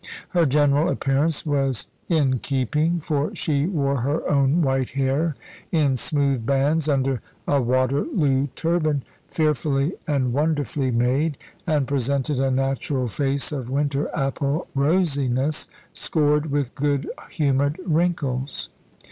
Her general appearance was in keeping, for she wore her own white hair in smooth bands, under a Waterloo turban, fearfully and wonderfully made, and presented a natural face of winter apple rosiness, scored with good humoured wrinkles.